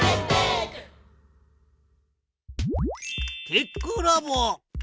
テックラボ。